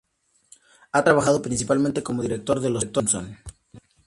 Ha trabajado principalmente como director de "Los Simpson".